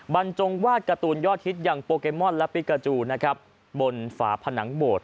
บรรจงวาดการ์ตูนยอดฮิตอย่างโปเกมอนและปิกาจูนะครับบนฝาผนังโบสถ